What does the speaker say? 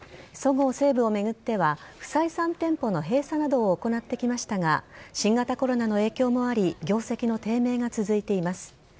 そごう・西武を巡っては、不採算店舗の閉鎖などを行ってきましたが、新型コロナの影響もあり、業績の低迷が続いています。